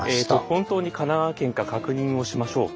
本当に神奈川県か確認をしましょう。